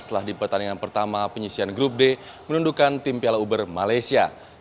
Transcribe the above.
setelah di pertandingan pertama penyisian grup d menundukan tim piala uber malaysia